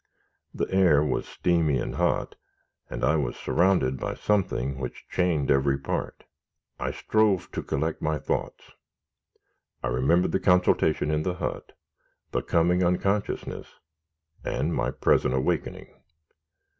The air was steamy and hot, and I was surrounded by something which chained every part. I strove to collect my thoughts. I remembered the consultation in the hut, the coming unconsciousness, and my present awakening.